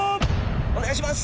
お願いします！